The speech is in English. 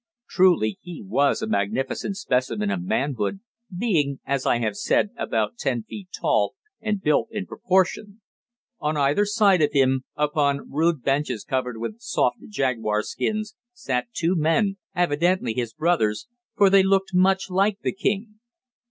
Truly he was a magnificent specimen of manhood, being as I have said, about ten feet tall, and built in proportion. On either side of him, upon rude benches covered with soft jaguar skins, sat two men, evidently his brothers, for they looked much like the king.